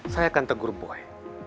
saya akan tegur boy